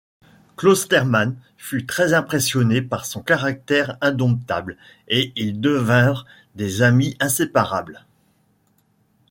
Clostermann fut très impressionné par son caractère indomptable, et ils devinrent des amis inséparables.